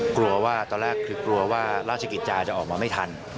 กลัวว่าตอนแรกคือกลัวว่าราชกิจจาจะออกมาไม่ทัน